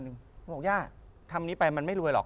ผมบอกย่าทำนี้ไปมันไม่รวยหรอก